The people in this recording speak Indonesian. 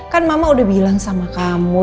kan mama udah bilang sama kamu